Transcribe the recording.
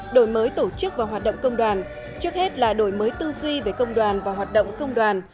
đổi mới tổ chức và hoạt động công đoàn trước hết là đổi mới tư duy về công đoàn và hoạt động công đoàn